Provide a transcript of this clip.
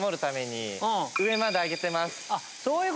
あっそういう事？